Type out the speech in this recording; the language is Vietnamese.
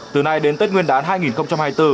từ nay đến tết nguyên đán